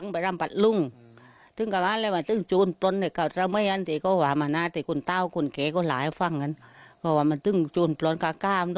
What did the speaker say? เพิ่งเวลาก็รำโนรา